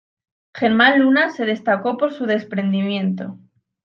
Germán Luna se destacó por su desprendimiento.